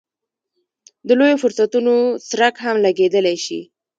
د لویو فرصتونو څرک هم لګېدلی شي.